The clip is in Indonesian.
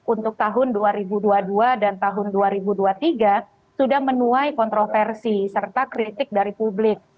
untuk tahun dua ribu dua puluh dua dan tahun dua ribu dua puluh tiga sudah menuai kontroversi serta kritik dari publik